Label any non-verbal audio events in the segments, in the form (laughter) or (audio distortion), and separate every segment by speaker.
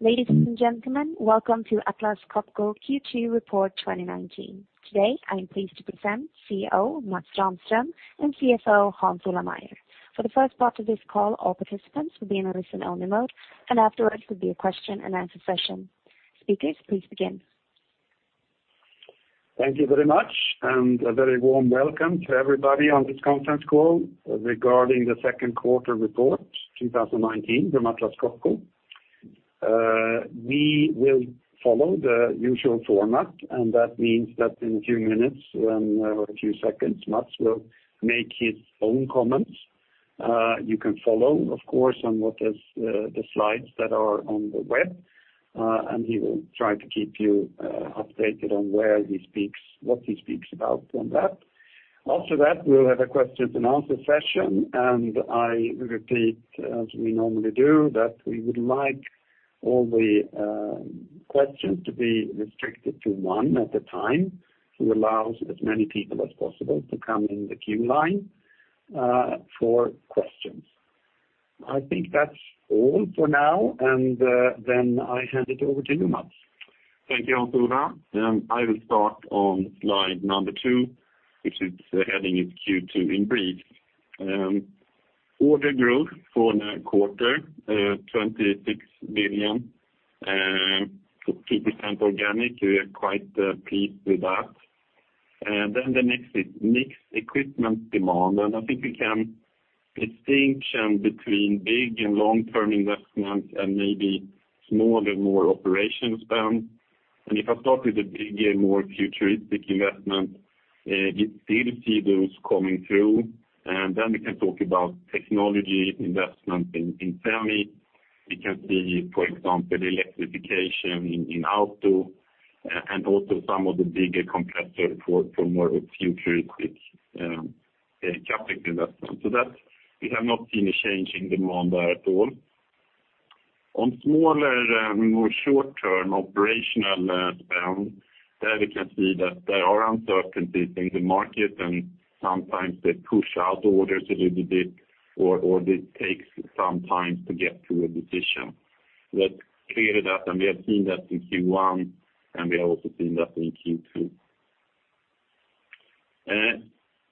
Speaker 1: Ladies and gentlemen, welcome to Atlas Copco Q2 Report 2019. Today, I am pleased to present CEO Mats Rahmström and CFO Hans Ola Meyer. For the first part of this call, all participants will be in a listen-only mode. Afterwards will be a question-and-answer session. Speakers, please begin.
Speaker 2: Thank you very much. A very warm welcome to everybody on this conference call regarding the second quarter report 2019 from Atlas Copco. We will follow the usual format. That means that in a few minutes or a few seconds, Mats will make his own comments. You can follow, of course, on the slides that are on the web. He will try to keep you updated on what he speaks about on that. After that, we will have a question-and-answer session. I repeat, as we normally do, that we would like all the questions to be restricted to one at a time to allow as many people as possible to come in the queue line for questions. I think that's all for now. Then I hand it over to you, Mats.
Speaker 3: Thank you, Hans Ola. I will start on slide number two, which its heading is Q2 in brief. Order growth for the quarter, 26 billion, 2% organic. We are quite pleased with that. The next is mixed equipment demand. I think we can distinction between big and long-term investment and maybe smaller, more operations spend. If I start with the bigger, more futuristic investment, we still see those coming through. We can talk about technology investment in semi. We can see, for example, electrification in auto. Also, some of the bigger compressor for more of futuristic CapEx investment. That, we have not seen a change in demand there at all. On smaller, more short-term operational spend, there we can see that there are uncertainties in the market. Sometimes they push out orders a little bit, or they take some time to get to a decision. Let's cleared up. We have seen that in Q1. We have also seen that in Q2.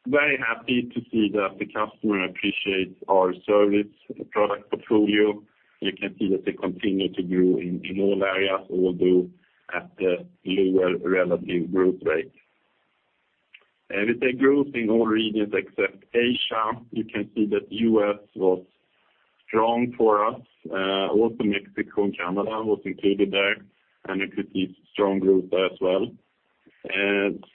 Speaker 3: Very happy to see that the customer appreciates our service product portfolio. You can see that they continue to grow in all areas, although at a lower relative growth rates. With the growth in all regions except Asia, you can see that U.S. was strong for us. Also Mexico and Canada was included there. You could see strong growth there as well.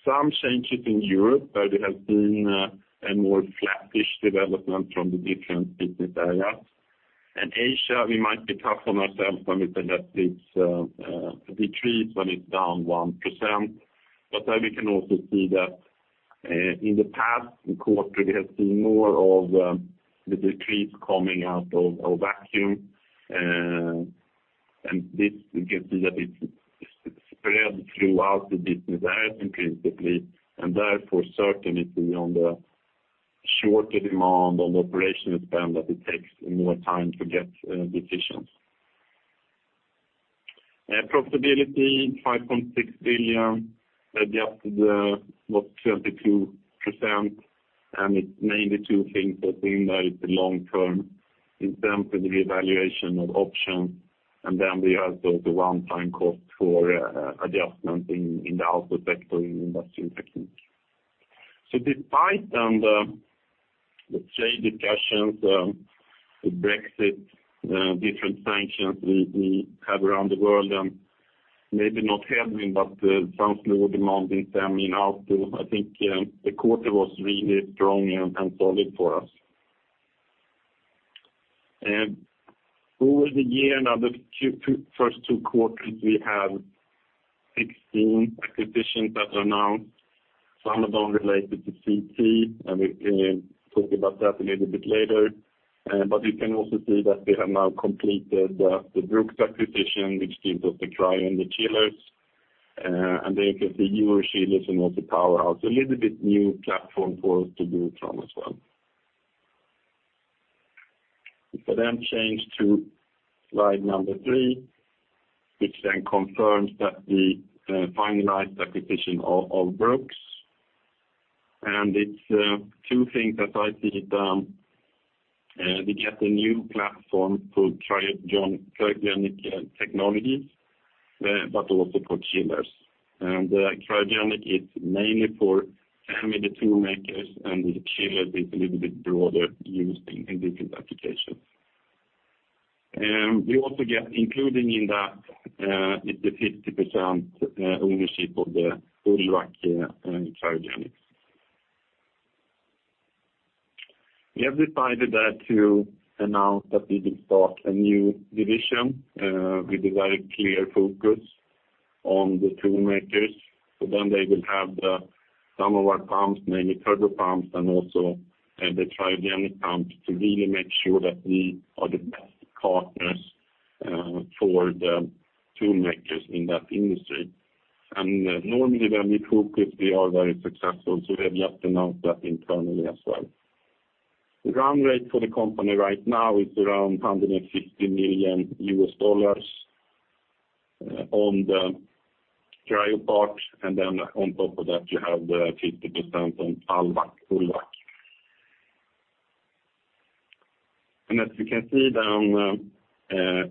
Speaker 3: Some changes in Europe. We have seen a more flattish development from the different Business Areas. Asia, we might be tough on ourselves [on this industry's] a decrease when it's down 1%. There we can also see that in the past quarter, we have seen more of the decrease coming out of vacuum. This, we can see that it's spread throughout the business areas, [principally], and therefore certainly on the shorter demand on operational spend, that it takes more time to get decisions. Profitability, 5.6 billion, adjusted was 22%, and it's mainly two things. I think that it's the long-term incentive revaluation of options, and then we have the one-time cost for adjustment in the auto sector in Industrial Technique. Despite the trade discussions, the Brexit, different sanctions we have around the world, and maybe not helping, but slower demand in semi and auto, I think the quarter was really strong and solid for us. Over the year, now the first two quarters, we have 16 acquisitions that are now, some of them related to CT, and we can talk about that a little bit later. You can also see that we have now completed the Brooks acquisition, which gives us the cryo and the chillers, and there you can see Eurochiller and also Powerhouse. A little bit new platform for us to build from as well. If I then change to slide number three, which then confirms that we finalized the acquisition of Brooks. It's two things that I see it. We get a new platform for cryogenic technologies, but also for chillers. Cryogenic is mainly for semi, the toolmakers, and the chiller is a little bit broader, used in different applications. We also get including in that is the 50% ownership of the Ulvac Cryogenic. We have decided there to announce that we will start a new division with a very clear focus on the toolmakers. They will have some of our pumps, mainly turbo pumps and also the cryogenic pumps to really make sure that we are the best partners for the toolmakers in that industry. Normally when we focus, we are very successful, so we have just announced that internally as well. The run rate for the company right now is around $150 million on the cryo part, and then on top of that, you have the 50% on Ulvac. (audio distortion) As you can see down,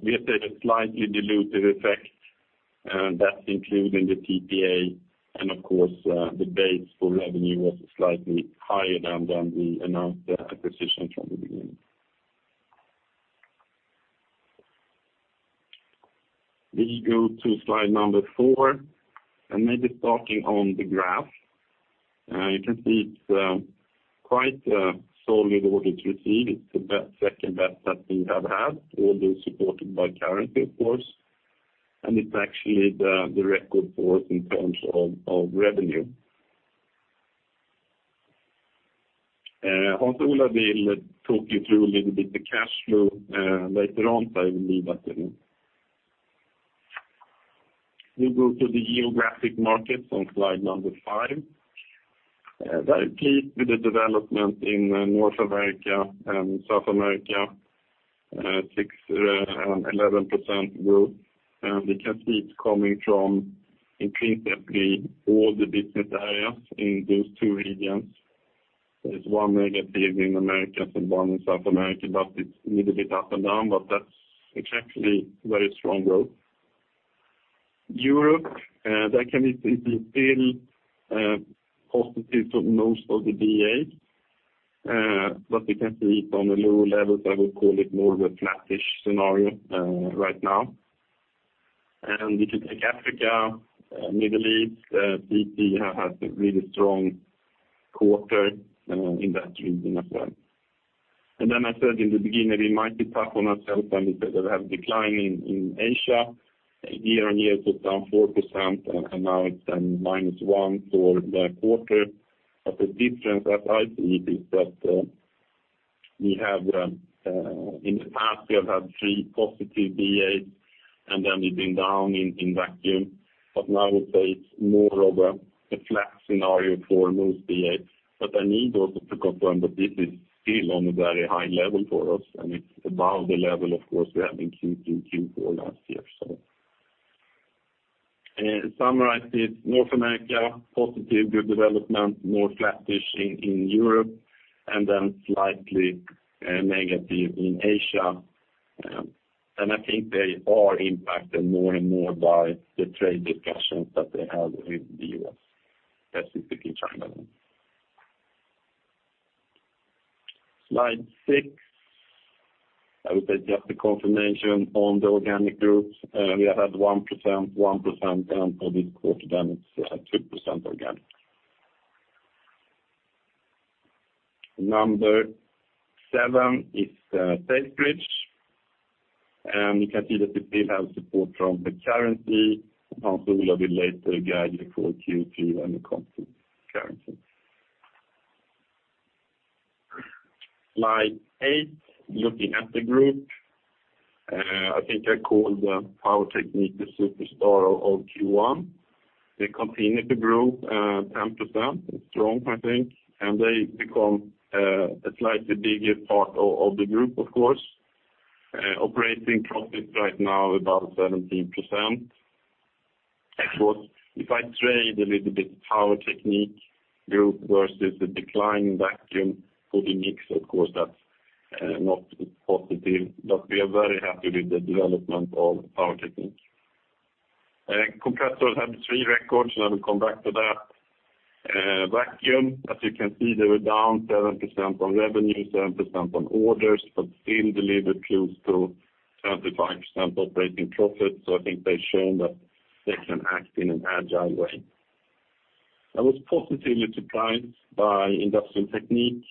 Speaker 3: we have taken a slightly dilutive effect, and that's including the PPA, and of course, the base for revenue was slightly higher than we announced the acquisition from the beginning. We go to slide number four. Maybe starting on the graph, you can see it's quite solidly ordered Q2. It's the second-best that we have had, although supported by currency, of course, and it's actually the record for us in terms of revenue. Hans Ola will talk you through a little bit the cash flow later on, but I will leave that to him. We go to the geographic markets on slide number five. Very pleased with the development in North America and South America, 6% and 11% growth. We can see it's coming from increasingly all the business areas in those two regions. There's -1 in Americas and one in South America, but it's a little bit up and down, but that's exactly very strong growth. Europe, there can be still positive for most of the BAs, but we can see it on a lower level, I would call it more of a flattish scenario right now. We can take Africa, Middle East, CT have had a really strong quarter in that region as well. I said in the beginning, we might be tough on ourselves, and we have decline in Asia year-over-year to down 4%, now it's then -1% for the quarter. The difference that I see is that in the past, we have had three positive BAs, we've been down in Vacuum, now I would say it's more of a flat scenario for most BAs. I need also to confirm that this is still on a very high level for us, and it's above the level, of course, we had in Q2, Q4 last year. Summarized it, North America, positive, good development, more flattish in Europe, slightly negative in Asia. I think they are impacted more and more by the trade discussions that they have with the U.S., specifically China. Slide six. I would say just a confirmation on the organic growth. We have had 1% down for this quarter, then it's 2% organic. Number seven is the sales bridge. You can see that we did have support from the currency. Hans Ola will later guide you for Q2 when it comes to currency. Slide eight, looking at the group, I think I called Power Technique the superstar of Q1. They continued to grow 10%, strong, I think, they become a slightly bigger part of the group, of course. Operating profit right now about 17%. Of course, if I trade a little bit Power Technique group versus the decline Vacuum for the mix, of course, that's not positive, but we are very happy with the development of Power Technique. Compressors had three records, I will come back to that. Vacuum, as you can see, they were down 7% on revenue, 7% on orders, but still delivered close to 25% operating profit. I think they've shown that they can act in an agile way. I was positively surprised by Industrial Technique,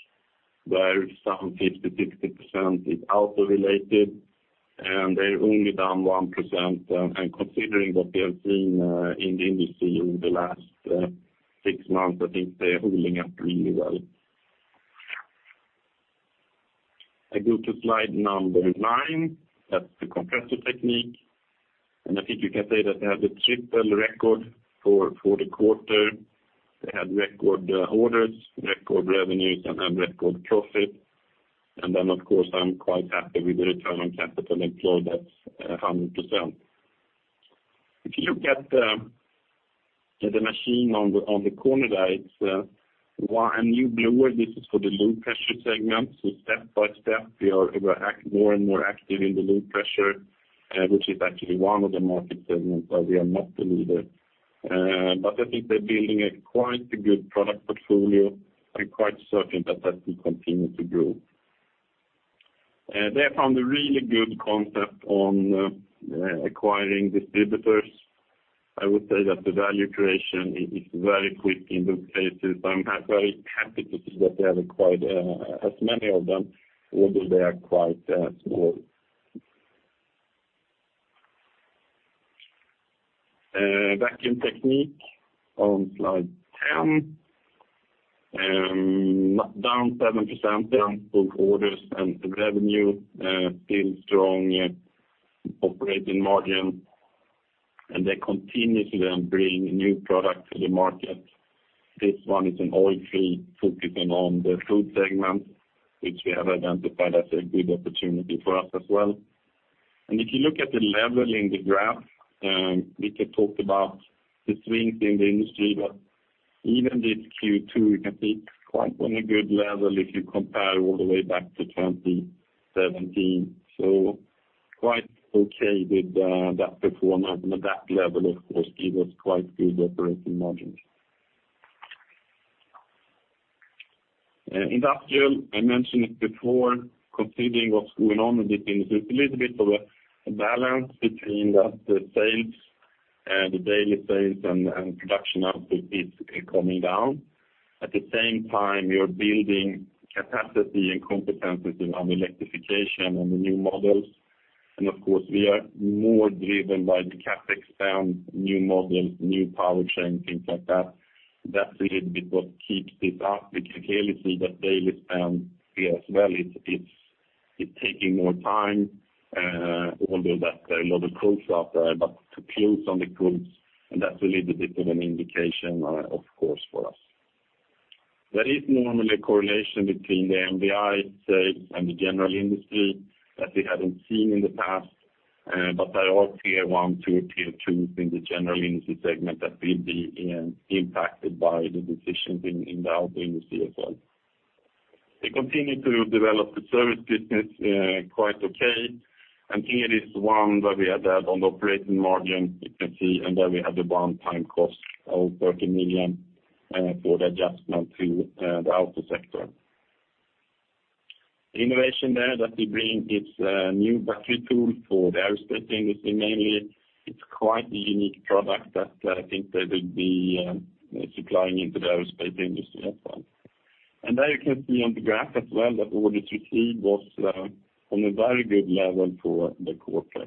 Speaker 3: where some 50%, 60% is auto related, and they're only down 1%. Considering what we have seen in the industry over the last six months, I think they're holding up really well. I go to slide number nine. That's the Compressor Technique. I think you can say that they have a triple record for the quarter. They had record orders, record revenues, and had record profit. Of course, I'm quite happy with the return on capital employed, that's 100%. If you look at the machine on the corner there, it's a new blower. This is for the low-pressure segment. Step by step, we are more and more active in the low pressure, which is actually one of the market segments where we are not the leader. I think they're building a quite a good product portfolio. I'm quite certain that that will continue to grow. They found a really good concept on acquiring distributors. I would say that the value creation is very quick in those cases. I'm very happy to see that they have acquired as many of them, although they are quite small. Vacuum Technique on slide 10, down 7% both orders and revenue, still strong operating margin. They continuously bring new products to the market. This one is an oil-free, focusing on the food segment, which we have identified as a good opportunity for us as well. If you look at the level in the graph, we can talk about the swings in the industry, but even this Q2, you can see it's quite on a good level if you compare all the way back to 2017. Quite okay with that performance, and at that level, of course, gives us quite good operating margins. Industrial, I mentioned it before, considering what's going on with this industry, it's a little bit of a balance between the daily sales and production output is coming down. At the same time, you're building capacity and competencies around electrification on the new models. Of course, we are more driven by the CapEx spend, new models, new powertrain, things like that. That's a little bit what keeps this up, but you clearly see that daily spend here as well. It's taking more time, although that a lot of quotes are out there, but to close on the quotes, and that's a little bit of an indication, of course, for us. There is normally a correlation between the [MVI] sales and the general industry that we haven't seen in the past, but there are Tier 1 to Tier 2s in the general industry segment that will be impacted by the decisions in the auto industry as well. We continue to develop the service business quite okay, and here is one where we had that on the operating margin, you can see, and where we had the one-time cost of 30 million for the adjustment to the auto sector. Innovation there that we bring is a new battery tool for the aerospace industry. Mainly, it's quite a unique product that I think they will be supplying into the aerospace industry as well. There you can see on the graph as well that order intake was on a very good level for the quarter.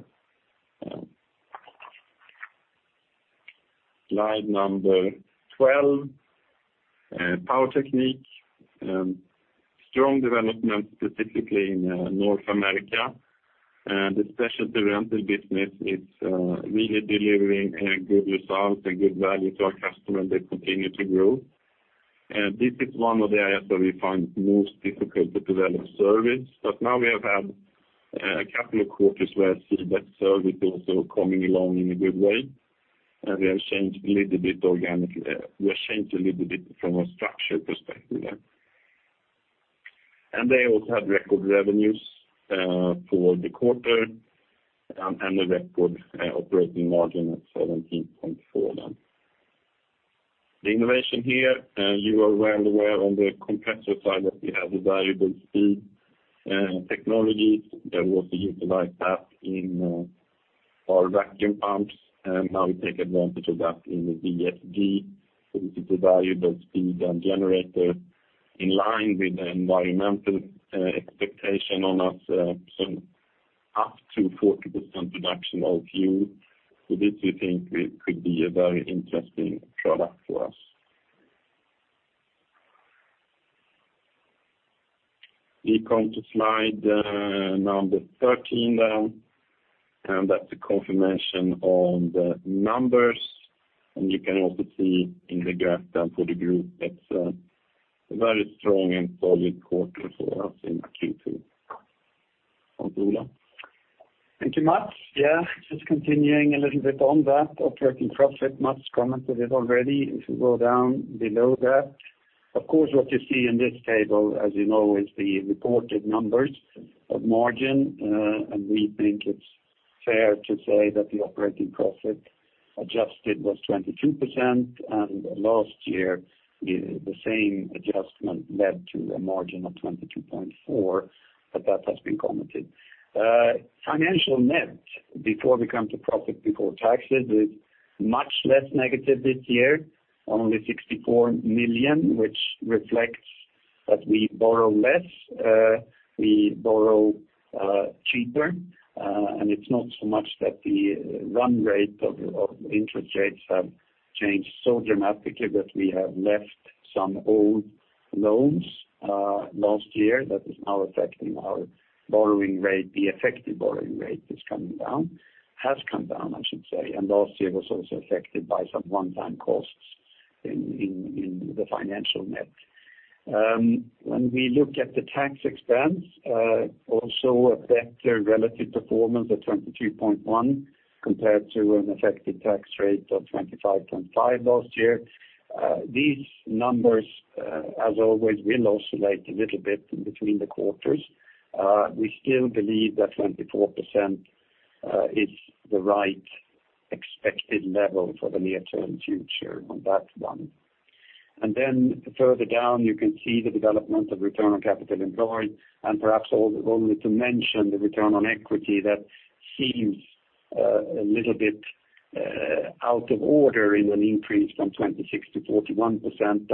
Speaker 3: Slide number 12, Power Technique. Strong development specifically in North America. The specialty rental business is really delivering a good result, a good value to our customer, and they continue to grow. This is one of the areas where we find it most difficult to develop service, but now we have had a couple of quarters where I see that service also coming along in a good way, and we have changed a little bit from a structure perspective there. They also had record revenues for the quarter and a record operating margin at 17.4%. The innovation here, you are well aware on the compressor side that we have the variable speed technologies that we also utilize that in our vacuum pumps, now we take advantage of that in the [VSG], so this is the variable speed generator, in line with the environmental expectation on us, some up to 40% reduction of fuel. This we think could be a very interesting product for us. We come to slide number 13 now, and that's a confirmation on the numbers, and you can also see in the graph there for the group that a very strong and solid quarter for us in Q2. On to you, Ola.
Speaker 2: Thank you, Mats. Just continuing a little bit on that operating profit, Mats commented it already. If you go down below that, of course, what you see in this table, as you know, is the reported numbers of margin. We think it's fair to say that the operating profit adjusted was 22%, and last year, the same adjustment led to a margin of 22.4%. That has been commented. Financial net, before we come to profit before taxes, is much less negative this year, only 64 million, which reflects that we borrow less, we borrow cheaper. It's not so much that the run rate of interest rates have changed so dramatically, but we have left some old loans last year that is now affecting our borrowing rate. The effective borrowing rate has come down. Last year was also affected by some one-time costs in the financial net. When we look at the tax expense, also a better relative performance at 23.1% compared to an effective tax rate of 25.5% last year. These numbers, as always, will oscillate a little bit in between the quarters. We still believe that 24% is the right expected level for the near-term future on that one. Further down, you can see the development of return on capital employed. Perhaps only to mention the return on equity that seems a little bit out of order in an increase from 26%-41%.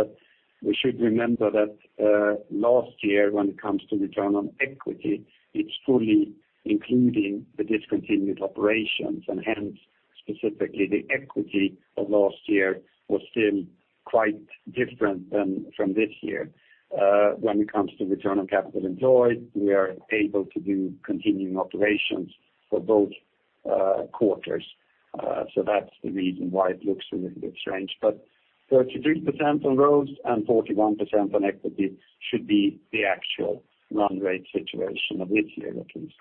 Speaker 2: We should remember that last year, when it comes to return on equity, it's fully including the discontinued operations. Hence, specifically the equity of last year was still quite different than from this year. When it comes to return on capital employed, we are able to do continuing operations for both quarters. That's the reason why it looks a little bit strange. But, 33% on ROCE and 41% on equity should be the actual run rate situation of this year, at least.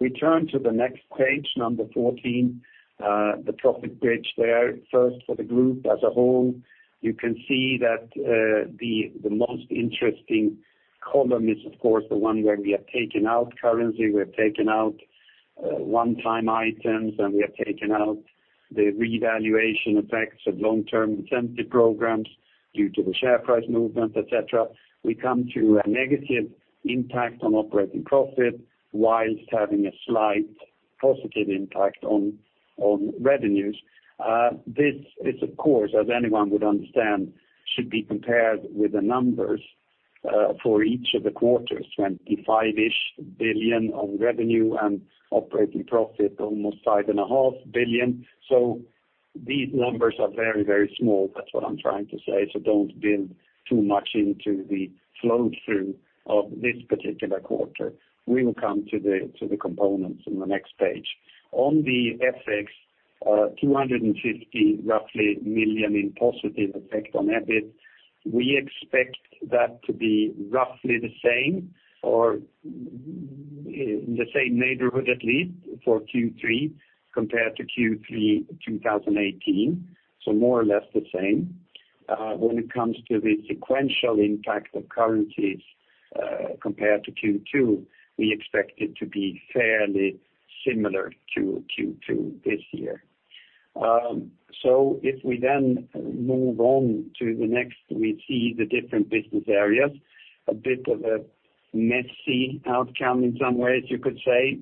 Speaker 2: We turn to the next page, number 14, the profit bridge there. First for the group as a whole, you can see that the most interesting column is, of course, the one where we have taken out currency, we've taken out one-time items. We have taken out the revaluation effects of long-term incentive programs due to the share price movement, et cetera. We come to a negative impact on operating profit whilst having a slight positive impact on revenues. This, of course, as anyone would understand, should be compared with the numbers for each of the quarters, 25-ish billion on revenue and operating profit almost 5.5 billion. These numbers are very, very small. That's what I'm trying to say. Don't build too much into the flow-through of this particular quarter. We will come to the components in the next page. On the FX, 250 million, roughly, million in positive effect on EBIT. We expect that to be roughly the same or in the same neighborhood at least for Q3 compared to Q3 2018, more or less the same. When it comes to the sequential impact of currencies compared to Q2, we expect it to be fairly similar to Q2 this year. If we then move on to the next, we see the different business areas, a bit of a messy outcome in some ways, you could say.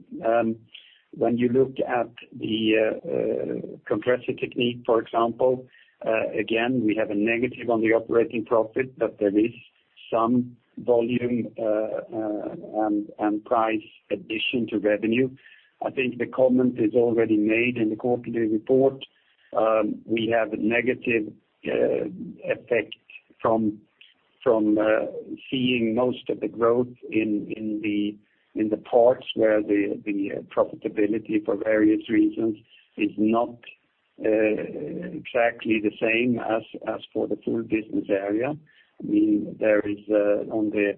Speaker 2: When you looked at the Compressor Technique, for example, again, we have a negative on the operating profit, but there is some volume and price addition to revenue. I think the comment is already made in the quarterly report. We have a negative effect from seeing most of the growth in the parts where the profitability for various reasons is not exactly the same as for the full business area. There is on the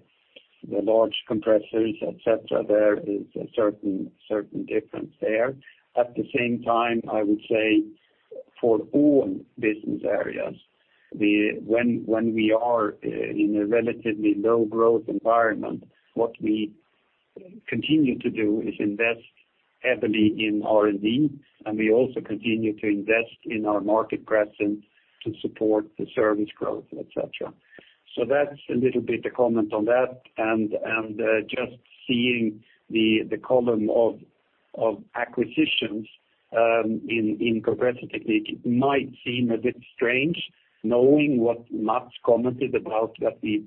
Speaker 2: large compressors, et cetera, there is a certain difference there. At the same time, I would say for all business areas, when we are in a relatively low growth environment, what we continue to do is invest heavily in R&D, and we also continue to invest in our market presence to support the service growth, et cetera. That's a little bit of comment on that. Just seeing the column of acquisitions in Compressor Technique might seem a bit strange, knowing what Mats commented about that we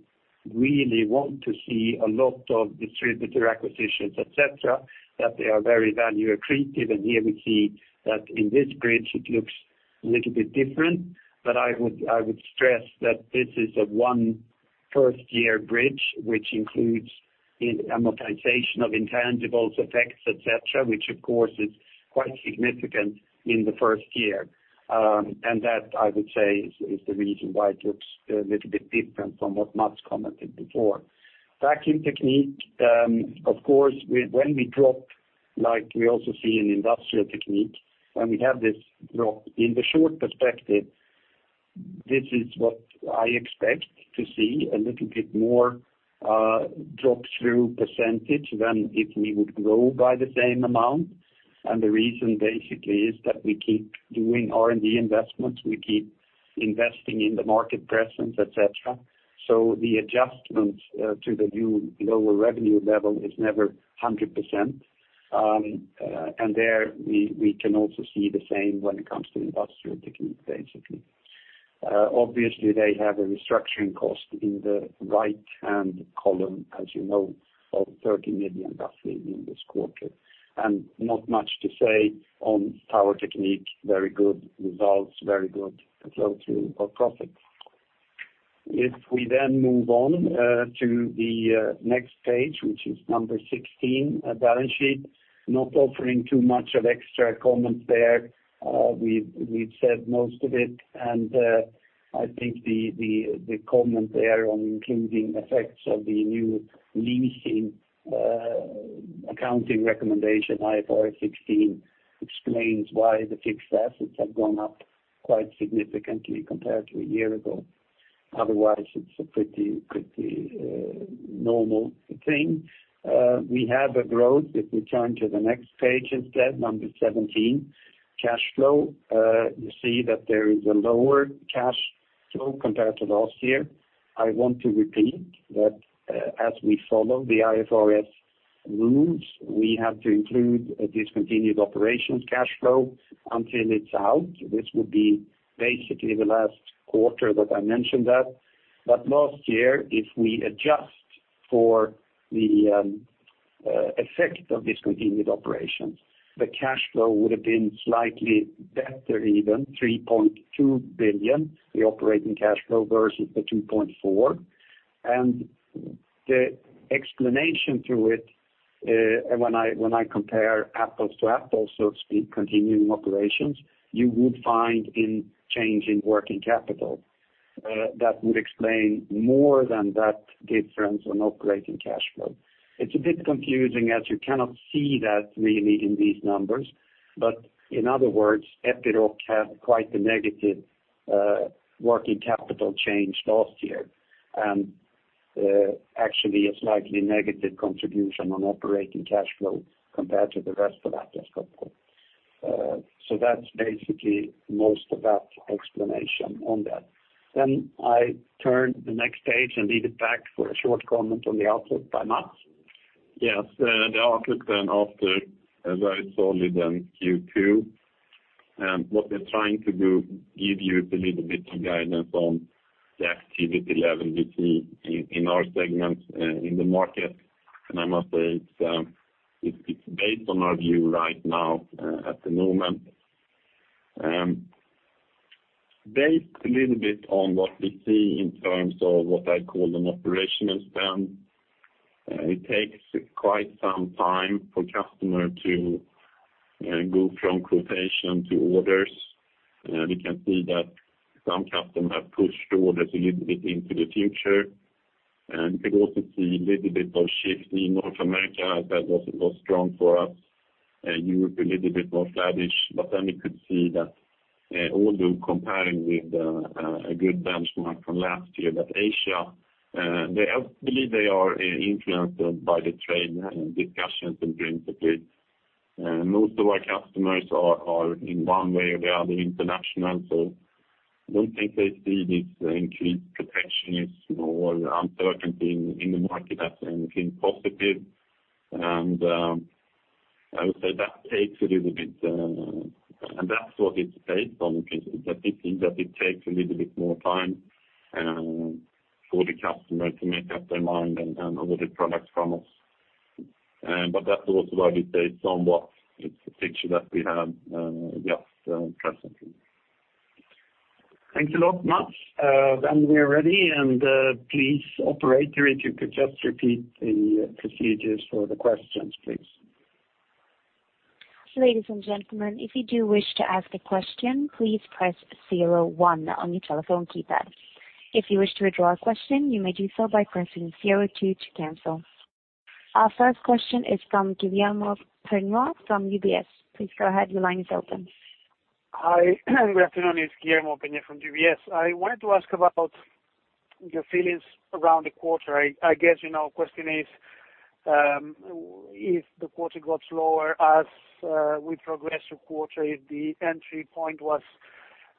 Speaker 2: really want to see a lot of distributor acquisitions, et cetera, that they are very value accretive. Here we see that in this bridge it looks a little bit different. I would stress that this is a one first year bridge, which includes the amortization of intangibles effects, et cetera, which of course is quite significant in the first year. That, I would say, is the reason why it looks a little bit different from what Mats commented before. Vacuum Technique, of course, when we drop, like we also see in Industrial Technique, when we have this drop in the short perspective, this is what I expect to see, a little bit more drop through percentage than if we would grow by the same amount. The reason basically is that we keep doing R&D investments. We keep investing in the market presence, et cetera. The adjustment to the new lower revenue level is never 100%. There we can also see the same when it comes to Industrial Technique, basically. Obviously, they have a restructuring cost in the right-hand column, as you know, of 30 million, roughly, in this quarter. Not much to say on Power Technique. Very good results, very good flow through of profit. If we then move on to the next page, which is number 16, balance sheet. Not offering too much of extra comments there. We've said most of it, and I think the comment there on including effects of the new leasing accounting recommendation, IFRS 16, explains why the fixed assets have gone up quite significantly compared to a year ago. Otherwise, it's a pretty normal thing. We have a growth, if we turn to the next page instead, page 17, cash flow. You see that there is a lower cash flow compared to last year. I want to repeat that as we follow the IFRS rules, we have to include a discontinued operations cash flow until it's out. This would be basically the last quarter that I mention that. Last year, if we adjust for the effect of discontinued operations, the cash flow would have been slightly better, even 3.2 billion, the operating cash flow versus 2.4 billion. The explanation to it, when I compare apples to apples, so to speak, continuing operations, you would find in change in working capital that would explain more than that difference on operating cash flow. It's a bit confusing as you cannot see that really in these numbers. In other words, Epiroc had quite a negative working capital change last year, and actually a slightly negative contribution on operating cash flow compared to the rest of Atlas Copco. That's basically most of that explanation on that. I turn the next page and leave it back for a short comment on the outlook by Mats.
Speaker 3: Yes. The outlook after a very solid Q2. What we're trying to do, give you a little bit of guidance on the activity level we see in our segments in the market. I must say it's based on our view right now at the moment. Based a little bit on what we see in terms of what I call an operational spend. It takes quite some time for customer to go from quotation to orders. We can see that some customers have pushed orders a little bit into the future, and we could also see a little bit of shift in North America that was strong for us, and Europe a little bit more flattish. We could see that although comparing with a good benchmark from last year that Asia, I believe they are influenced by the trade discussions in principle. Most of our customers are in one way or the other international, I don't think they see this increased protectionist or uncertainty in the market as anything positive. I would say that takes a little bit, and that's what it's based on, is that we think that it takes a little bit more time for the customer to make up their mind and order products from us. That's also why we say it's on what, it's the picture that we have just presently.
Speaker 2: Thanks a lot, Mats. We are ready, please operator, if you could just repeat the procedures for the questions, please.
Speaker 1: Ladies and gentlemen, if you do wish to ask a question, please press zero one on your telephone keypad. If you wish to withdraw a question, you may do so by pressing zero two to cancel. Our first question is from Guillermo Peigneux from UBS. Please go ahead. Your line is open.
Speaker 4: Hi. Good afternoon. It's Guillermo Peigneux from UBS. I wanted to ask about your feelings around the quarter. I guess question is, if the quarter got slower as we progress through quarter, if the entry point was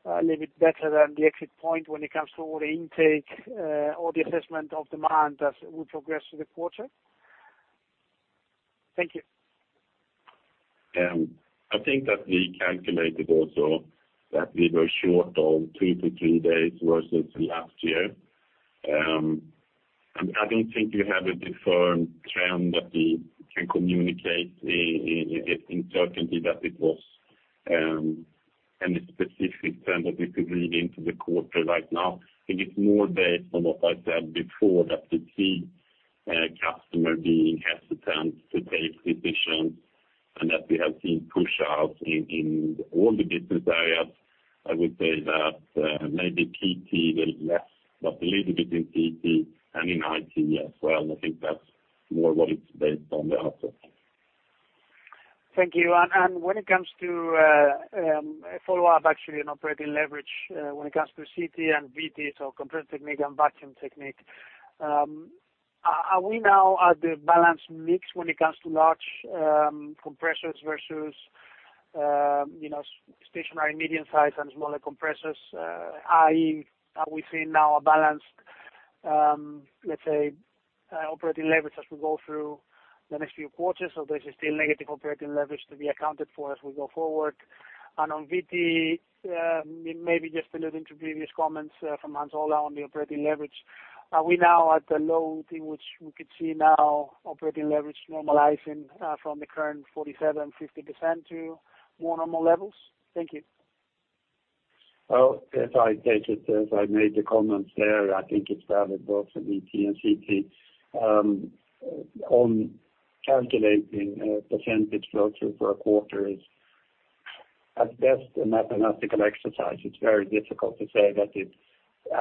Speaker 4: a little bit better than the exit point when it comes to order intake, or the assessment of demand as we progress through the quarter? Thank you.
Speaker 3: I think that we calculated also that we were short on two to three days versus last year. I don't think we have a firm trend that we can communicate in certainty that it was any specific trend that we could read into the quarter right now. I think it's more based on what I said before, that we see customer being hesitant to take decisions and that we have seen push outs in all the business areas. I would say that maybe PT a little less, but a little bit in PT and in IT as well. I think that's more what it's based on the outlook.
Speaker 4: Thank you. When it comes to follow up, actually on operating leverage, when it comes to CT and VT, so Compressor Technique and Vacuum Technique, are we now at the balanced mix when it comes to large compressors versus stationary medium size and smaller compressors? Are we seeing now a balanced, let's say, operating leverage as we go through the next few quarters? Or there's still negative operating leverage to be accounted for as we go forward? On VT, maybe just alluding to previous comments from Hans Ola on the operating leverage. Are we now at the low thing which we could see now operating leverage normalizing from the current 47%-50% to more normal levels? Thank you.
Speaker 2: Well, if I take it as I made the comments there, I think it's valid both for VT and CT. On calculating percentage flow through for a quarter is at best a mathematical exercise. It's very difficult to say that it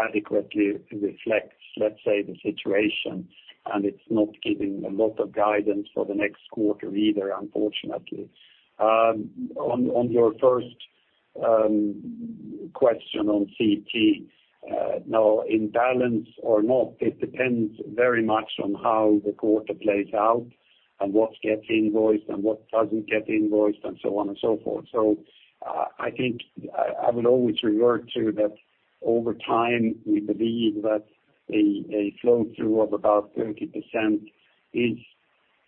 Speaker 2: adequately reflects, let's say, the situation. It's not giving a lot of guidance for the next quarter either, unfortunately. On your first question on CT, now in balance or not, it depends very much on how the quarter plays out and what gets invoiced and what doesn't get invoiced, and so on and so forth. I think I will always revert to that over time, we believe that a flow through of about 30% is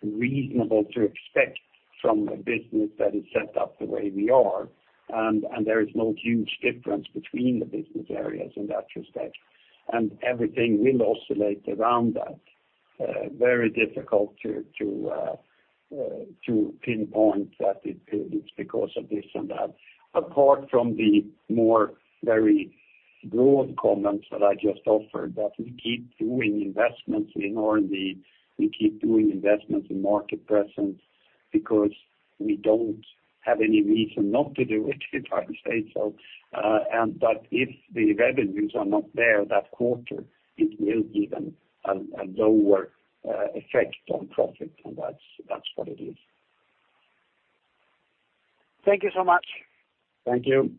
Speaker 2: reasonable to expect From a business that is set up the way we are. There is no huge difference between the business areas in that respect. Everything will oscillate around that. Very difficult to pinpoint that it's because of this and that. Apart from the more very broad comments that I just offered, that we keep doing investments in R&D, we keep doing investments in market presence because we don't have any reason not to do it, if I may say so. If the revenues are not there that quarter, it will give a lower effect on profit, and that's what it is.
Speaker 4: Thank you so much.
Speaker 2: Thank you.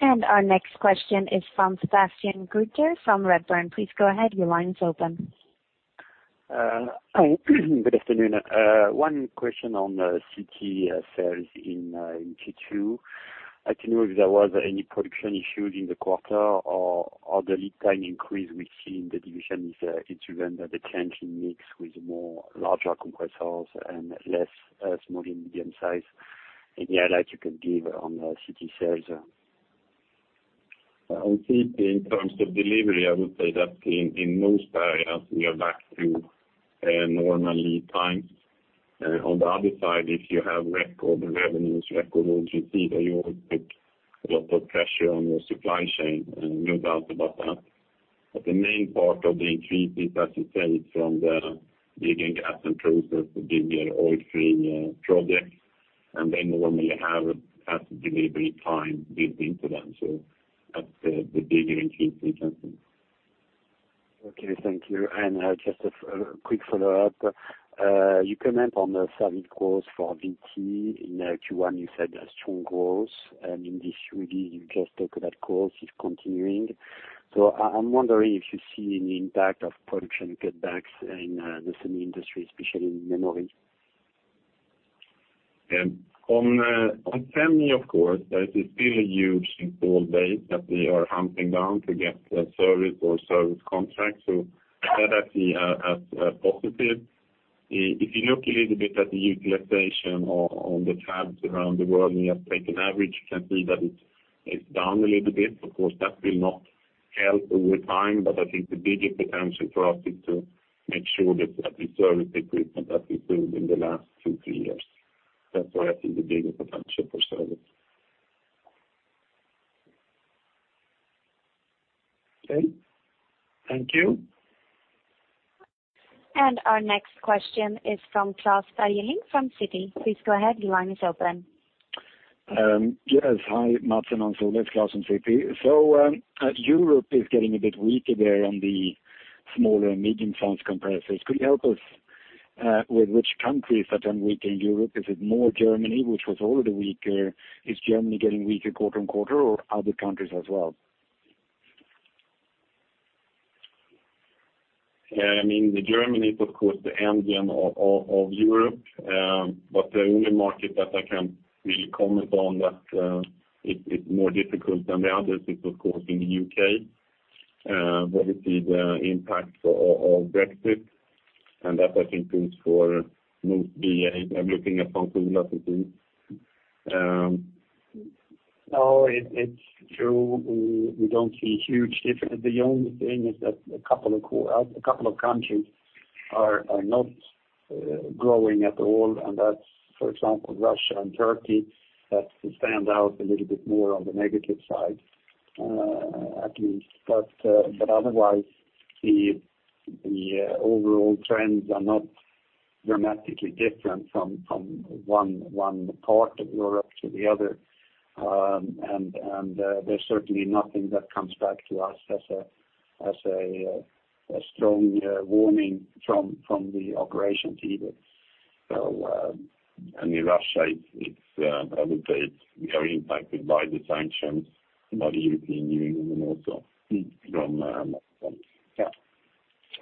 Speaker 1: Our next question is from Sebastien Gruter from Redburn. Please go ahead. Your line's open.
Speaker 5: Good afternoon. One question on CT sales in Q2. I don't know if there was any production issues in the quarter or the lead time increase we see in the division is driven by the change in mix with more larger compressors and less small and medium size. Any highlights you could give on CT sales?
Speaker 3: On CT, in terms of delivery, I would say that in most areas we are back to normal lead times. On the other side, if you have record revenues, record order receipt, you will put a lot of pressure on your supply chain, no doubt about that. The main part of the increase is, as you said, from the bigger gas and process, the bigger oilfield projects, and they normally have a faster delivery time built into them. That's the bigger increase we can see.
Speaker 5: Okay, thank you. Just a quick follow-up. You comment on the service growth for VT in Q1, you said a strong growth. In this release you just talked that growth is continuing. I am wondering if you see any impact of production cutbacks in the semi industry, especially in memory.
Speaker 3: On semi, of course, there is still a huge installed base that we are hunting down to get service or service contracts. I see that as a positive. If you look a little bit at the utilization of the tabs around the world, you have taken average, you can see that it is down a little bit. Of course, that will not help over time, but I think the bigger potential for us is to make sure that we service the equipment that we build in the last two, three years. That is where I see the bigger potential for service.
Speaker 5: Okay. Thank you.
Speaker 1: Our next question is from Klas Bergelind from Citi. Please go ahead. Your line is open.
Speaker 6: Yes. Hi, Mats and Hans. It's Klas from Citi. Europe is getting a bit weaker there on the small and medium-size compressors. Could you help us with which countries are weak in Europe? Is it more Germany, which was already weaker? Is Germany getting weaker quarter-on-quarter or other countries as well?
Speaker 3: I mean, Germany is of course the engine of Europe. The only market that I can really comment on that it's more difficult than the others is of course, in the U.K., where we see the impact of Brexit. That I think goes for most BAs. I'm looking at Hans Ola to see.
Speaker 2: It's true, we don't see a huge difference. The only thing is that a couple of countries are not growing at all, and that's, for example, Russia and Turkey. That stand out a little bit more on the negative side, at least. Otherwise, the overall trends are not dramatically different from one part of Europe to the other. There's certainly nothing that comes back to us as a strong warning from the operations either.
Speaker 3: I mean, Russia, I would say it's very impacted by the sanctions, by the European Union and also from us.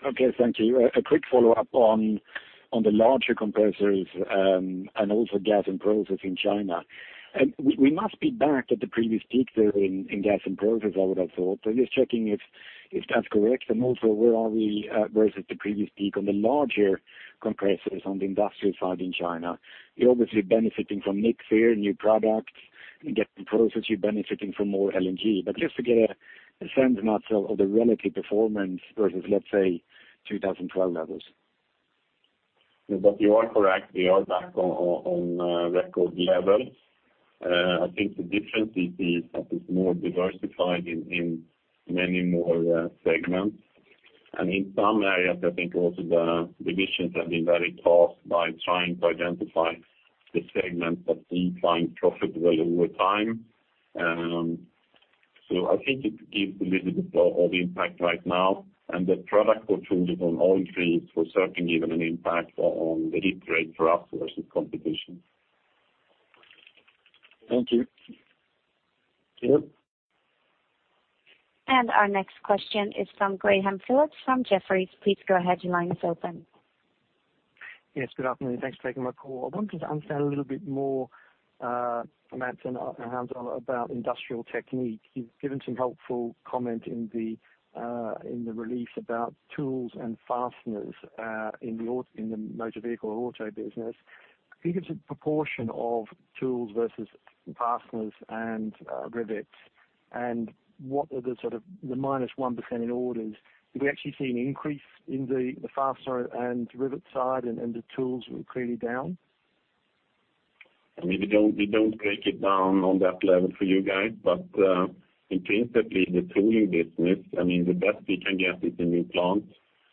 Speaker 6: Okay, thank you. A quick follow-up on the larger compressors, and also gas and process in China. We must be back at the previous peak there in gas and process, I would have thought. Just checking if that's correct, and also where are we versus the previous peak on the larger compressors on the industrial side in China? You are obviously benefiting from mix here, new products. In gas and process, you are benefiting from more LNG. Just to get a sense, Mats, of the relative performance versus, let's say, 2012 levels.
Speaker 3: You are correct, we are back on record levels. I think the difference is that it's more diversified in many more segments. In some areas, I think also the divisions have been very task by trying to identify the segments that we find profitable over time. I think it gives a little bit of impact right now, and the product portfolio on oil-free will certainly give an impact on the lead rate for us versus competition.
Speaker 6: Thank you.
Speaker 3: Yep.
Speaker 1: Our next question is from Graham Phillips from Jefferies. Please go ahead, your line is open.
Speaker 7: Yes, good afternoon. Thanks for taking my call. I wanted to understand a little bit more, Mats and Hans Ola, about Industrial Technique. You've given some helpful comment in the release about tools and fasteners in the motor vehicle auto business. Can you give us a proportion of tools versus fasteners and rivets, and what are the -1% in orders? Did we actually see an increase in the fastener and rivet side and the tools were clearly down?
Speaker 3: We don't break it down on that level for you guys, but intrinsically, the tooling business, the best we can get is a new plant,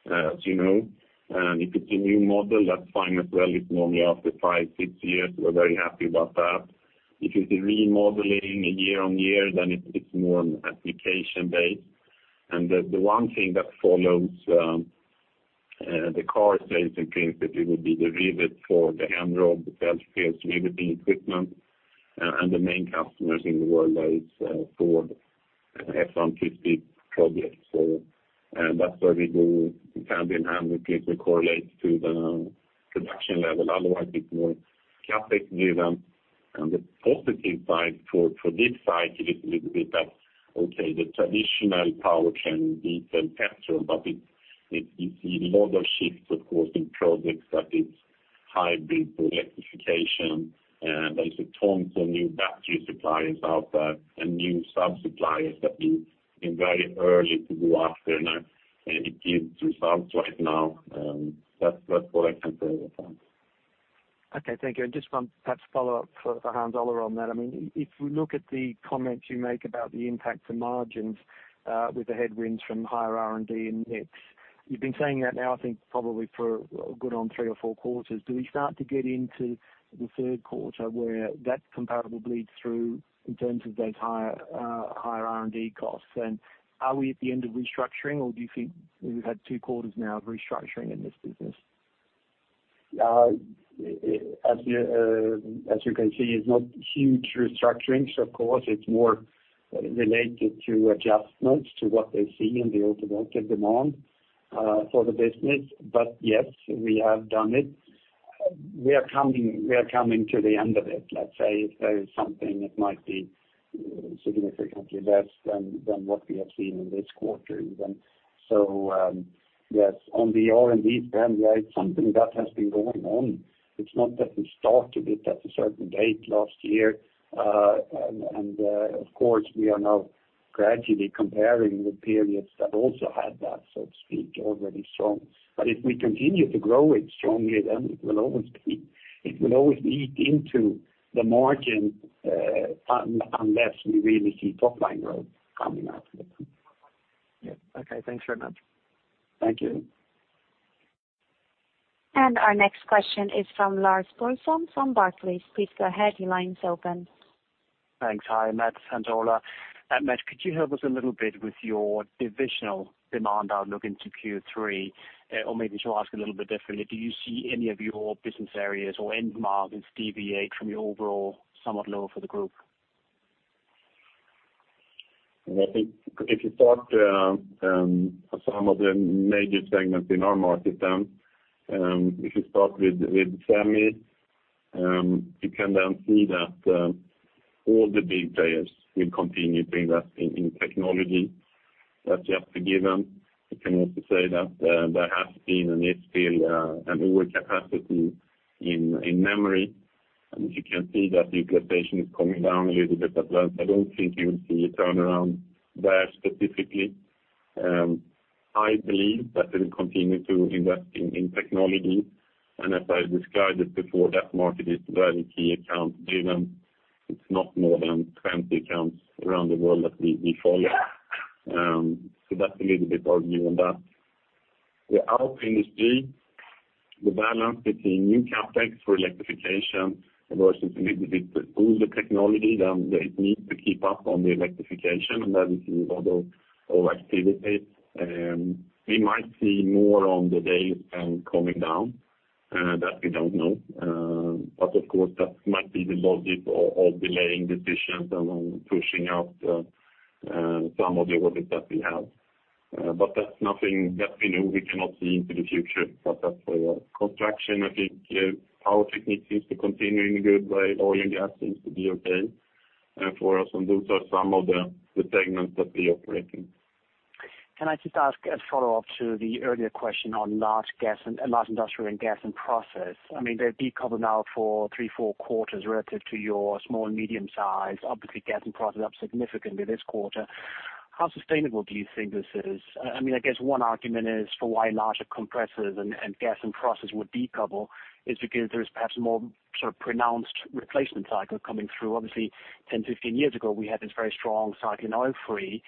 Speaker 3: as you know. If it's a new model, that's fine as well. It's normally after five, six years, we're very happy about that. If it's a remodeling year-on-year, then it's more application based. The one thing that follows the car space, in terms that it would be the rivet for the [Henrob self-pierce] riveting equipment, and the main customers in the world, that is Ford F-150 project. That's where we go hand in hand with people who correlates to the production level. Otherwise, it's more CapEx given. On the positive side for this side, it is a little bit that, okay, the traditional power train, diesel, petrol. You see a lot of shifts, of course, in projects that it's hybrid or electrification. There's a ton of new battery suppliers out there and new sub-suppliers that we've been very early to go after. It gives results right now. That's what I can say about that.
Speaker 7: Okay, thank you. Just one perhaps follow-up for Hans Ola on that. If we look at the comments you make about the impact to margins, with the headwinds from higher R&D and mix, you've been saying that now, I think probably for a good on three or four quarters. Do we start to get into the third quarter where that comparable bleeds through in terms of those higher R&D costs? Are we at the end of restructuring, or do you think we've had two quarters now of restructuring in this business?
Speaker 2: As you can see, it's not huge restructurings, of course. It's more related to adjustments to what they see in the automotive demand for the business. Yes, we have done it. We are coming to the end of it, let's say, if there is something that might be significantly less than what we have seen in this quarter, even. Yes. On the R&D spend, it's something that has been going on. It's not that we started it at a certain date last year. Of course, we are now gradually comparing the periods that also had that, so to speak, already strong. If we continue to grow it strongly, then it will always eat into the margin, unless we really see top line growth coming out.
Speaker 7: Yeah. Okay. Thanks very much.
Speaker 3: Thank you.
Speaker 1: Our next question is from Lars Brorson from Barclays. Please go ahead. Your line's open.
Speaker 8: Thanks. Hi, Mats, Hans Ola. Mats, could you help us a little bit with your divisional demand outlook into Q3? Or maybe to ask a little bit differently, do you see any of your business areas or end markets deviate from your overall somewhat lower for the group?
Speaker 3: If you start some of the major segments in our market, if you start with semi, you can see that all the big players will continue to invest in technology. That's just a given. You can also say that there has been and is still an overcapacity in memory. You can see that utilization is coming down a little bit as well, so I don't think you'll see a turnaround there specifically. I believe that they'll continue to invest in technology, and as I described it before, that market is very Key Account driven. It's not more than 20 accounts around the world that we follow. That's a little bit our view on that. The auto industry, the balance between new CapEx for electrification versus a little bit to pull the technology than it needs to keep up on the electrification, that is another activity. We might see more on delays than coming down. That we don't know. Of course, that might be the logic of delaying decisions and pushing out some of the orders that we have. That's nothing that we know. We cannot see into the future. But as for your Construction, I think Power Technique seems to continue in a good way. Oil and gas seems to be okay for us. Those are some of the segments that we operate in.
Speaker 8: Can I just ask a follow-up to the earlier question on large industrial and gas and process? They've decoupled now for three, four quarters relative to your small and medium-size. Obviously, gas and process up significantly this quarter. How sustainable do you think this is? I guess one argument is for why larger compressors and gas and process would decouple is because there's perhaps a more pronounced replacement cycle coming through. Obviously, 10, 15 years ago, we had this very strong cycle in oil-free,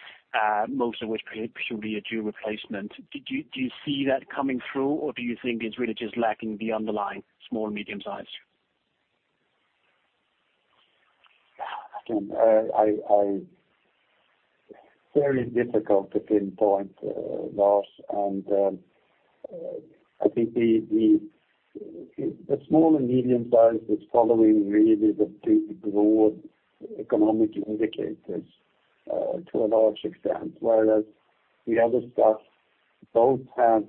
Speaker 8: most of which should be a due replacement. Do you see that coming through, or do you think it's really just lacking the underlying small and medium size?
Speaker 3: Very difficult to pinpoint, Lars. I think the small and medium size is following really the broad economic indicators to a large extent, whereas the other stuff both have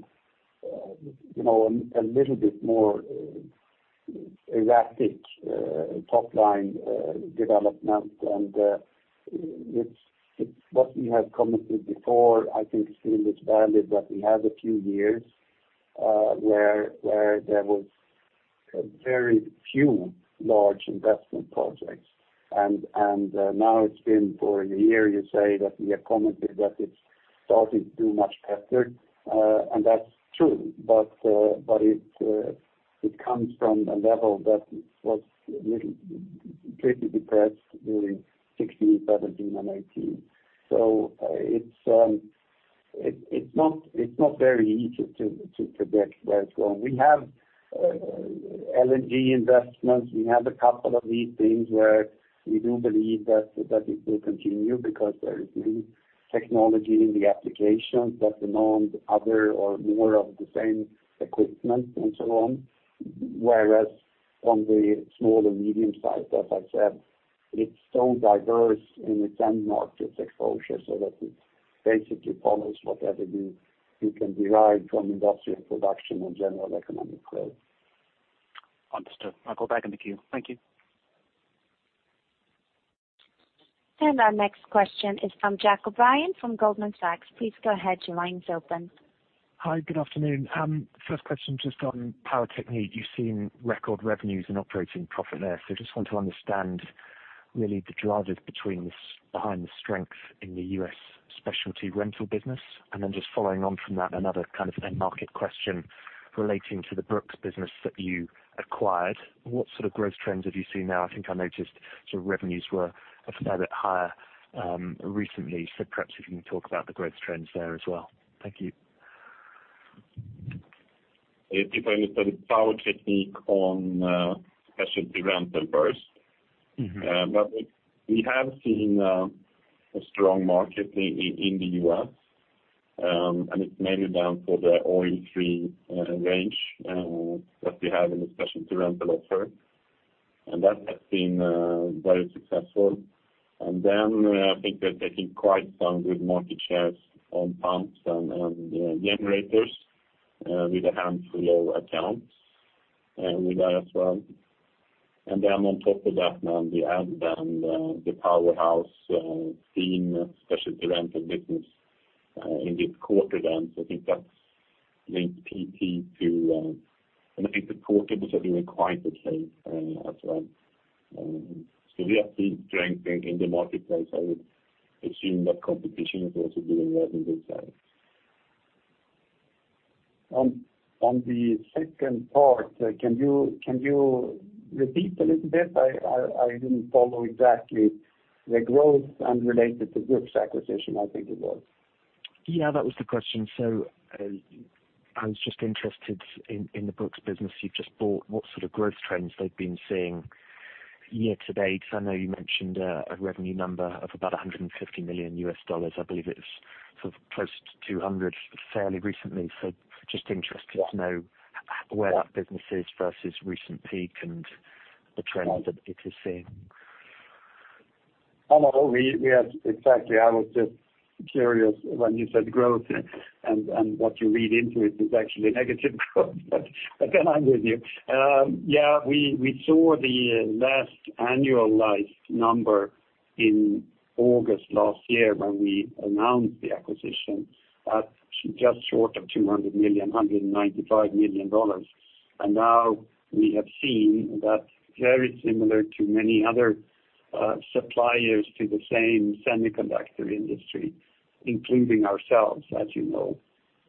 Speaker 3: a little bit more erratic top line development. It's what we have commented before, I think still is valid, that we have a few years where there was Very few large investment projects. Now it's been for a year, you say, that we have commented that it's starting to do much better. That's true, but it comes from a level that was completely depressed during 2016, 2017, and 2018. It's not very easy to predict where it's going. We have LNG investments. We have a couple of these things where we do believe that it will continue because there is new technology in the applications that demand other or more of the same equipment and so on, whereas on the small and medium size, as I said, it's so diverse in its end markets exposure so that it basically follows whatever you can derive from industrial production and general economic growth.
Speaker 8: Understood. I'll go back in the queue. Thank you.
Speaker 1: Our next question is from Jack O'Brien from Goldman Sachs. Please go ahead. Your line's open.
Speaker 9: Hi, good afternoon. First question, just on Power Technique. You've seen record revenues and operating profit there. Just want to understand really the drivers behind the strength in the U.S. specialty rental business. Following on from that, another kind of end market question relating to the Brooks business that you acquired. What sort of growth trends have you seen now? I think I noticed revenues were a fair bit higher recently, perhaps if you can talk about the growth trends there as well. Thank you.
Speaker 3: If I understood, Power Technique on specialty rental first. We have seen a strong market in the U.S., and it's mainly down to the oil-free range that we have in the specialty rental offer. That has been very successful. I think they're taking quite some good market shares on pumps and generators, with a handful of accounts with that as well. On top of that, now in the end, the Powerhouse specialty rental business in this quarter then. I think that's linked PT to and I think the portables are doing quite okay as well. We have seen strength in the marketplace. I would assume that competition is also doing well in this area.
Speaker 2: On the second part, can you repeat a little bit? I didn't follow exactly the growth and related to Brooks acquisition, I think it was.
Speaker 9: Yeah, that was the question. I was just interested in the Brooks business you've just bought, what sort of growth trends they've been seeing year to date, because I know you mentioned a revenue number of about $150 million. I believe it was close to $200 fairly recently. Just interested to know where that business is versus recent peak and the trends that it is seeing.
Speaker 2: No, exactly. I was just curious when you said growth and what you read into it is actually negative growth, but then I'm with you. Yeah, we saw the last annualized number in August last year when we announced the acquisition at just short of $200 million, $195 million. Now we have seen that very similar to many other suppliers to the same semiconductor industry, including ourselves, as you know,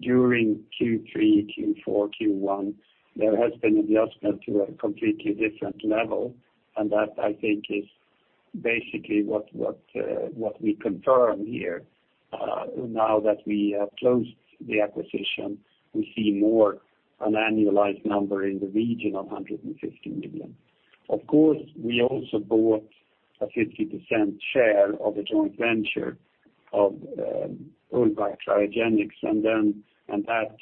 Speaker 2: during Q3, Q4, Q1, there has been adjustment to a completely different level. That, I think, is basically what we confirm here. Now that we have closed the acquisition, we see more an annualized number in the region of $150 million. Of course, we also bought a 50% share of a joint venture of Ulvac Cryogenics, and that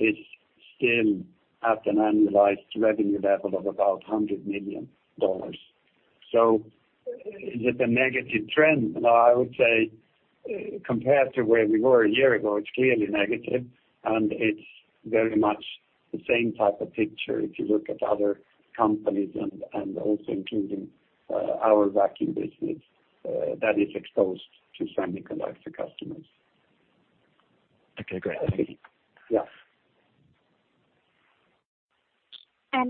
Speaker 2: is still at an annualized revenue level of about $100 million. Is it a negative trend? No, I would say compared to where we were a year ago, it's clearly negative, and it's very much the same type of picture if you look at other companies and also including our Vacuum business that is exposed to semiconductor customers.
Speaker 9: Okay, great. Thank you.
Speaker 2: Yes.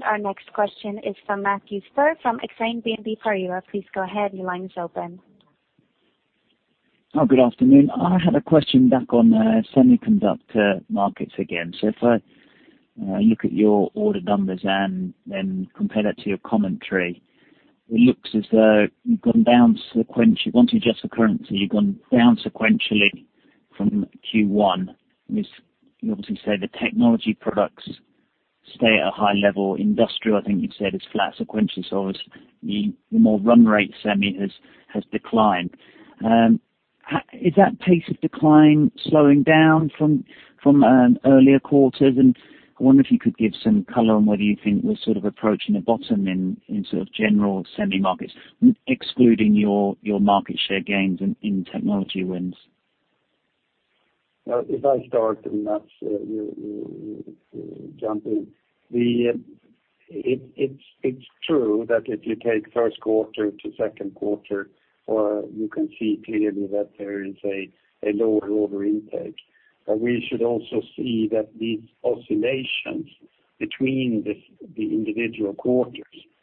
Speaker 1: Our next question is from Matthew Spurr from Exane BNP Paribas. Please go ahead. Your line is open.
Speaker 10: Good afternoon. I had a question back on semiconductor markets again. If I look at your order numbers and then compare that to your commentary, it looks as though you have gone down sequentially. Once you adjust the currency, you have gone down sequentially from Q1, which you obviously say the technology products stay at a high level. Industrial, I think you said, is flat sequentially. Obviously the more run rate semi has declined. Is that pace of decline slowing down from earlier quarters? I wonder if you could give some color on whether you think we are sort of approaching a bottom in general semi markets, excluding your market share gains in technology wins.
Speaker 2: If I start, Mats, you jump in. It is true that if you take first quarter to second quarter, you can see clearly that there is a lower order intake. We should also see that these oscillations between the individual quarters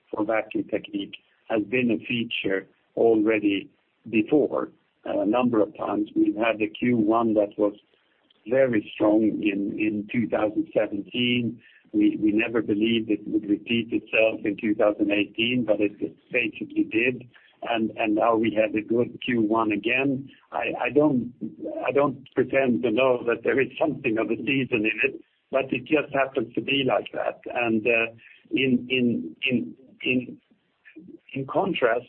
Speaker 2: for Vacuum Technique has been a feature already before. A number of times, we have had a Q1 that was very strong in 2017. We never believed it would repeat itself in 2018, but it basically did. Now we have a good Q1 again. I do not pretend to know that there is something of a season in it, but it just happens to be like that. In contrast,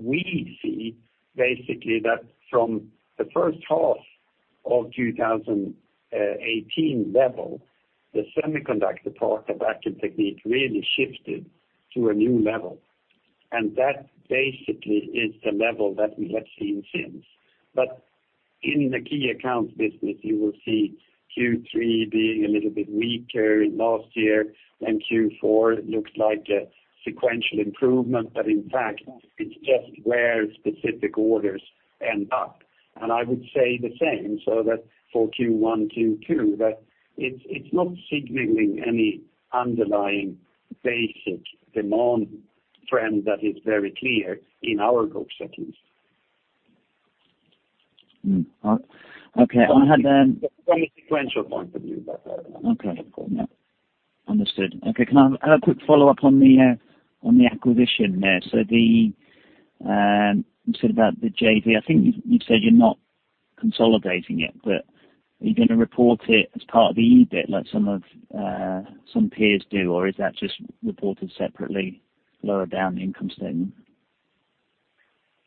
Speaker 2: we see basically that from the first half of 2018 level, the semiconductor part of Vacuum Technique really shifted to a new level. That basically is the level that we have seen since. In the Key Accounts business, you will see Q3 being a little bit weaker last year, and Q4 looks like a sequential improvement. In fact, it is just where specific orders end up. I would say the same, that for Q1, Q2, that it is not signaling any underlying basic demand trend that is very clear in our book settings. From a sequential point of view.
Speaker 10: Okay. Understood. Okay. Can I have a quick follow-up on the acquisition there? You said about the JV, I think you said you're not consolidating it, but are you going to report it as part of the EBIT like some peers do, or is that just reported separately, lower down the income statement?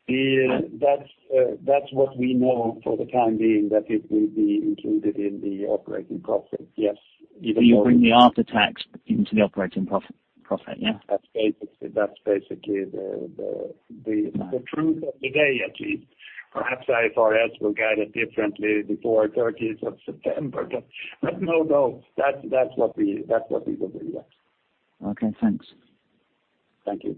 Speaker 2: That's what we know for the time being, that it will be included in the operating profit, yes.
Speaker 10: You bring the after-tax into the operating profit, yeah?
Speaker 2: That's basically the truth of today, at least. Perhaps IFRS will guide it differently before 30th of September. No, that's what we will do, yes.
Speaker 10: Okay, thanks.
Speaker 2: Thank you.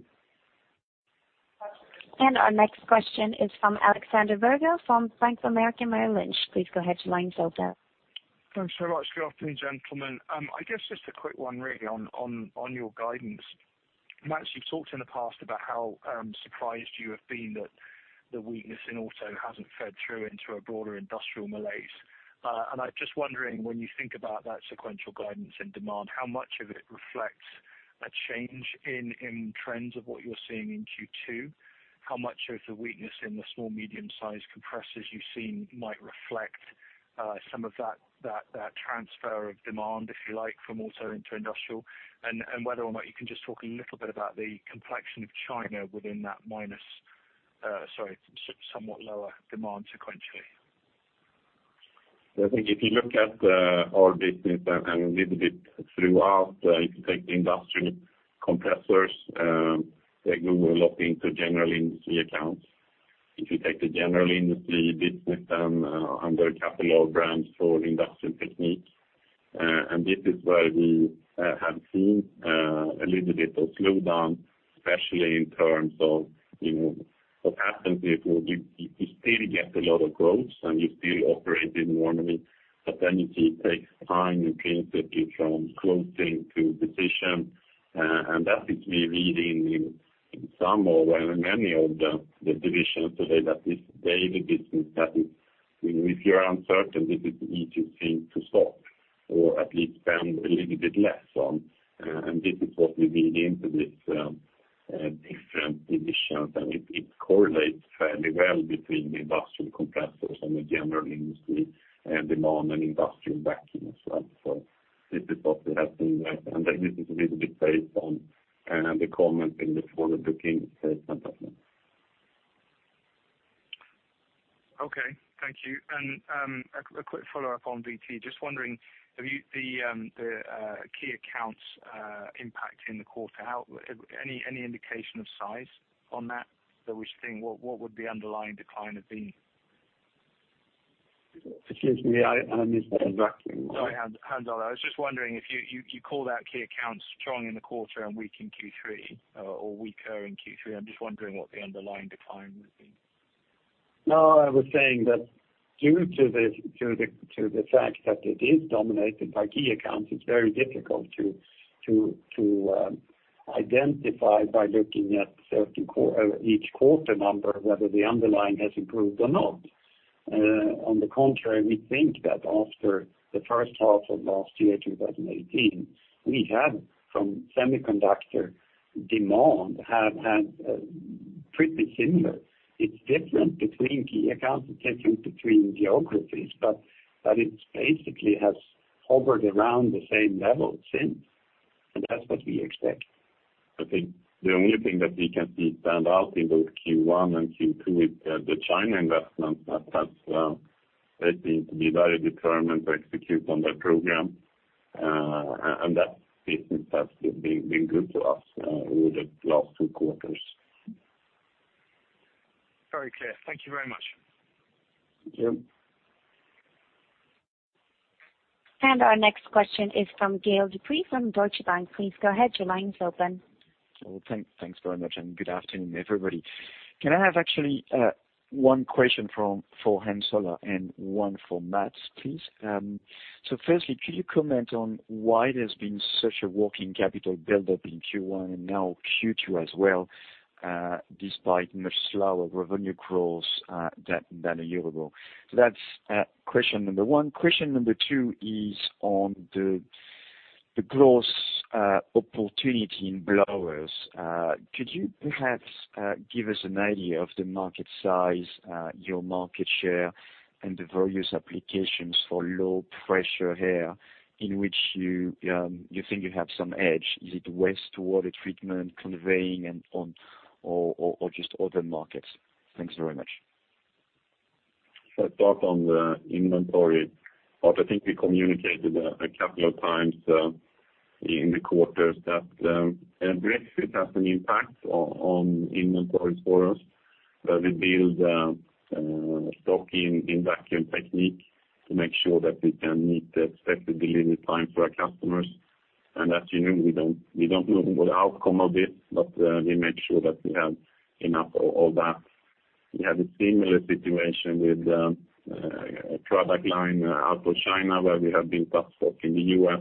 Speaker 1: Our next question is from Alexander Virgo from Bank of America Merrill Lynch. Please go ahead, your line's open.
Speaker 11: Thanks very much. Good afternoon, gentlemen. I guess just a quick one really on your guidance. Mats, you've talked in the past about how surprised you have been that the weakness in auto hasn't fed through into a broader industrial malaise. I'm just wondering, when you think about that sequential guidance and demand, how much of it reflects a change in trends of what you're seeing in Q2? How much of the weakness in the small, medium-sized compressors you've seen might reflect some of that transfer of demand, if you like, from auto into industrial? Whether or not you can just talk a little bit about the complexion of China within that somewhat lower demand sequentially.
Speaker 3: I think if you look at our business and a little bit throughout, if you take the industrial compressors, they group a lot into general industry accounts. If you take the general industry business under (audio distortion) brands for Industrial Technique, this is where we have seen a little bit of slowdown, especially in terms of what happens if you still get a lot of growth and you still operate in one of it takes time occasionally from closing to decision. That is maybe leading in some or many of the divisions today that this daily business that if you are uncertain, this is the easiest thing to stop or at least spend a little bit less on. This is what we mean into this different divisions and it correlates fairly well between the industrial compressors and the general industry and demand and industrial vacuums as well. This is what we have seen, this is a little bit based on the comment in the forward-looking statement as well.
Speaker 11: Okay, thank you. A quick follow-up on VT. Just wondering, the Key Accounts impact in the quarter outlook, any indication of size on that? What would the underlying decline have been?
Speaker 2: Excuse me, I missed that exactly.
Speaker 11: Sorry, Hans. I was just wondering, you call out Key Accounts strong in the quarter and weak in Q3, or weaker in Q3. I am just wondering what the underlying decline would be.
Speaker 2: I was saying that due to the fact that it is dominated by Key Accounts, it is very difficult to identify by looking at each quarter number whether the underlying has improved or not. On the contrary, we think that after the first half of last year, 2018, we have from semiconductor demand have had pretty similar. It is different between Key Accounts, it is different between geographies, but that it basically has hovered around the same level since. That is what we expect.
Speaker 3: I think the only thing that we can see stand out in both Q1 and Q2 is the China investments that they seem to be very determined to execute on their program. That business has been good to us over the last two quarters.
Speaker 11: Very clear. Thank you very much.
Speaker 3: Thank you.
Speaker 1: Our next question is from Gael De Bray from Deutsche Bank. Please go ahead. Your line is open.
Speaker 12: Well, thanks very much, and good afternoon, everybody. Can I have actually one question for Hans Ola and one for Mats, please? Firstly, could you comment on why there's been such a working capital buildup in Q1 and now Q2 as well, despite much slower revenue growth than a year ago? That's question number one. Question number two is on the growth opportunity in blowers. Could you perhaps give us an idea of the market size, your market share, and the various applications for low pressure here in which you think you have some edge? Is it wastewater treatment, conveying, or just other markets? Thanks very much.
Speaker 3: I'll start on the inventory. I think we communicated a couple of times in the quarters that Brexit has an impact on inventories for us, where we build stock in Vacuum Technique to make sure that we can meet the expected delivery time for our customers. As you know, we don't know the outcome of this, but we make sure that we have enough of that. We have a similar situation with a product line out of China, where we have built up stock in the U.S.,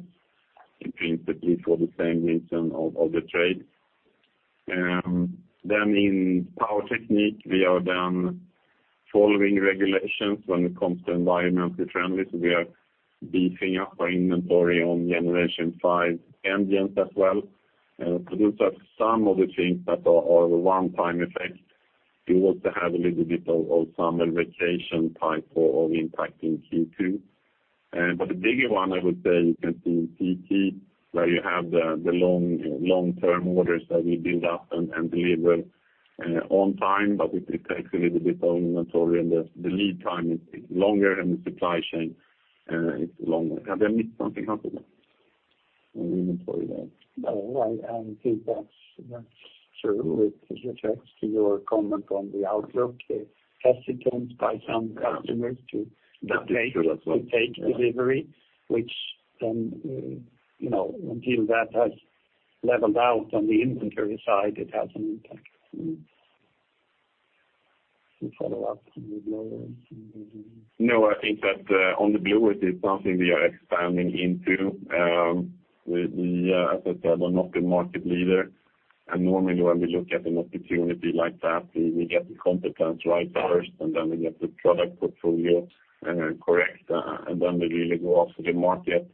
Speaker 3: principally for the same reason of the trade. In Power Technique, we are then following regulations when it comes to environmental friendliness. We are beefing up our inventory on Generation five engines as well. Those are some of the things that are a one-time effect. We also have a little bit of some vacation type of impact in Q2. The bigger one, I would say, you can see in CT, where you have the long-term orders that we build up and deliver on time, but it takes a little bit of inventory, and the lead time is longer, and the supply chain is longer. Have I missed something, Hans on the inventory there?
Speaker 2: No, I think that's true with respect to your comment on the outlook, the hesitancy by some customers.
Speaker 3: That is true as well.
Speaker 2: To take delivery, which then, until that has leveled out on the inventory side, it has an impact. To follow up on the blowers.
Speaker 3: No, I think that on the blowers, it's something we are expanding into. As I said, we're not the market leader, and normally when we look at an opportunity like that, we get the competence right first, and then we get the product portfolio correct, and then we really go after the market.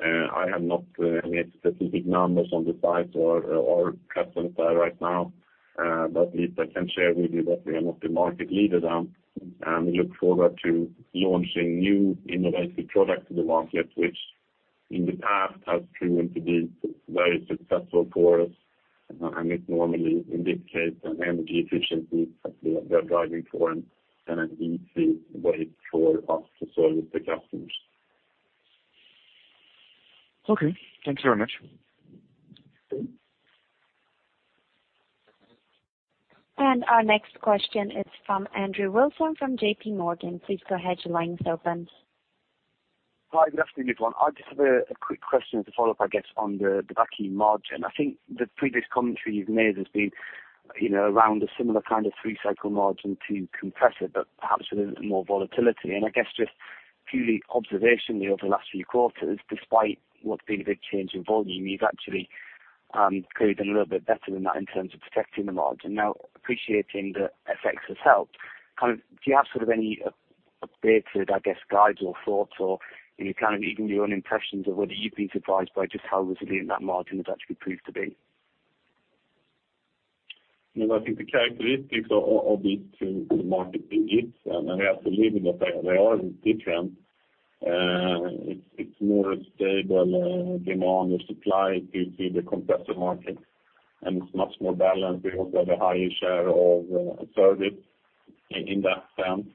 Speaker 3: I have not any specific numbers on the size or customers there right now. What I can share with you that we are not the market leader, and we look forward to launching new innovative products in the market, which in the past has proven to be very successful for us, and it normally indicates an energy efficiency that we are driving for and an easy way for us to service the customers.
Speaker 12: Okay. Thanks very much.
Speaker 1: Our next question is from Andrew Wilson from JPMorgan. Please go ahead. Your line is open.
Speaker 13: Hi, good afternoon, everyone. I just have a quick question as a follow-up, I guess, on the vacuum margin. I think the previous commentary you've made has been around a similar kind of three-cycle margin to compressor, but perhaps with a little bit more volatility. I guess just purely observationally over the last few quarters, despite what's been a big change in volume, you've actually clearly done a little bit better than that in terms of protecting the margin. Now, appreciating that FX has helped, do you have any updated, I guess, guides or thoughts or even your own impressions of whether you've been surprised by just how resilient that margin has actually proved to be?
Speaker 3: No, I think the characteristics of these two markets are different, we are believing that they are different. It's more a stable demand or supply to the compressor market, it's much more balanced. We also have a higher share of service in that sense.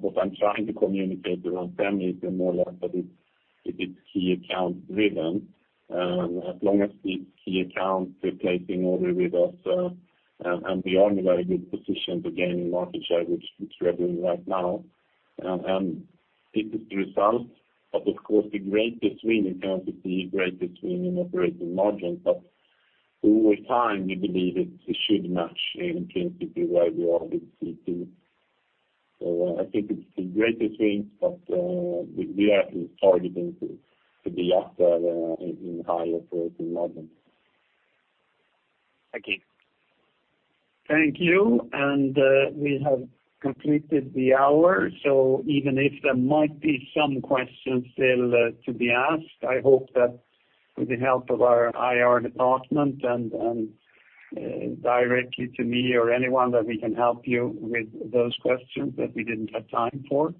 Speaker 3: What I'm trying to communicate around them is more like that it's Key Account driven. As long as these Key Accounts are placing orders with us, we are in a very good position to gain market share, which we're doing right now, it is the result of course, the greater swing in terms of the greater swing in operating margin. Over time, we believe it should match in principally where we are with CT. I think it's the greater swings, but we are targeting to be up there in higher operating margins.
Speaker 13: Thank you.
Speaker 2: Thank you. We have completed the hour. Even if there might be some questions still to be asked, I hope that with the help of our IR department directly to me or anyone, that we can help you with those questions that we didn't have time for.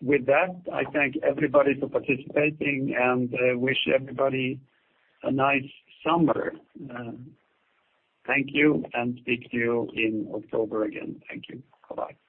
Speaker 2: With that, I thank everybody for participating, wish everybody a nice summer. Thank you, speak to you in October again. Thank you. Bye-bye.